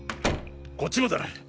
こっちもだ。